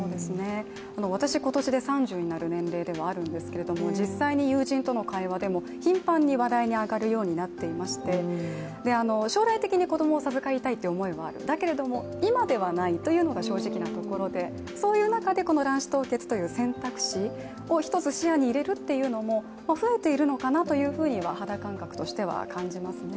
私今年で３０になる年齢ではあるんですけれども実際に友人との会話でも頻繁に話題に上がるようになっていまして将来的に子供を授かりたいという思いはある、だけれども今ではないなというのが正直なところで、そういう中でこの卵子凍結という選択肢を一つ視野に入れるというのも増えているのかなというふうには肌感覚としては感じますね。